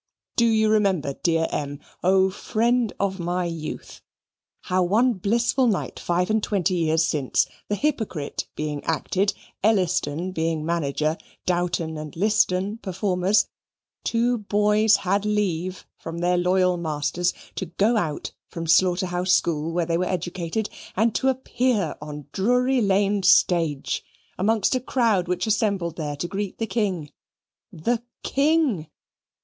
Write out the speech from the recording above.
Do you remember, dear M , oh friend of my youth, how one blissful night five and twenty years since, the "Hypocrite" being acted, Elliston being manager, Dowton and Liston performers, two boys had leave from their loyal masters to go out from Slaughter House School where they were educated and to appear on Drury Lane stage, amongst a crowd which assembled there to greet the king. THE KING?